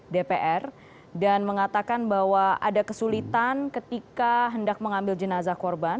dpr dan mengatakan bahwa ada kesulitan ketika hendak mengambil jenazah korban